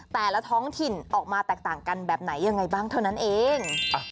แต่ละท้องถิ่นออกมาแตกต่างกันแบบไหนยังไงบ้างเท่านั้นเอง